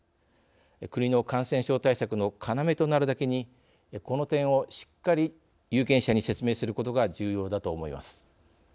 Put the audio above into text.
国の感染症対策の要となるだけにこの点をしっかり有権者に説明することが重要だと思います。